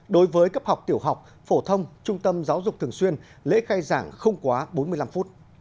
đối với cấp học tiểu học phổ thông trung tâm giáo dục thường xuyên lễ khai giảng không quá bốn mươi năm phút